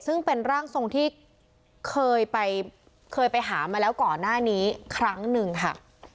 ซึ่งเป็นร่างทรงที่เคยไปเคยไปหามาแล้วก่อนหน้านี้ครั้งหนึ่งค่ะ